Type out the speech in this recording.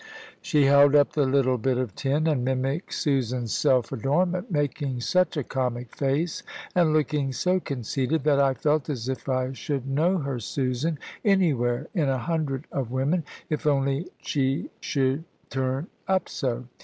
She held up the little bit of tin, and mimicked Susan's self adornment, making such a comic face, and looking so conceited, that I felt as if I should know her Susan, anywhere in a hundred of women, if only she should turn up so.